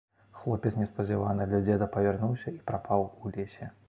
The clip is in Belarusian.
Хлопец неспадзявана для дзеда павярнуўся і прапаў у лесе.